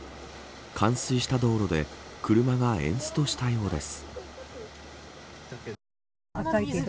冠水した道路で車がエンストしたようです。